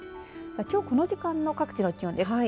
さあ、きょうこの時間の各地の気温です。